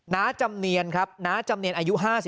้าจำเนียนครับน้าจำเนียนอายุ๕๓